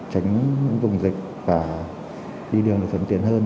tránh những vùng dịch và đi đường được thuận tiện hơn